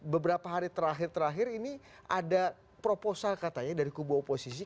beberapa hari terakhir terakhir ini ada proposal katanya dari kubu oposisi